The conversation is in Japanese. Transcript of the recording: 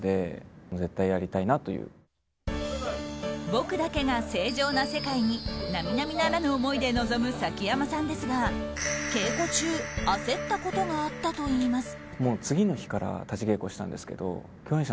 「僕だけが正常な世界」に並々ならぬ思いで臨む崎山さんですが、稽古中焦ったことがあったといいます。